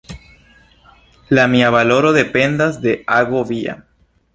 La mia valoro dependas de ago via.